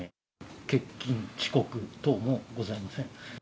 欠勤、遅刻等もございません。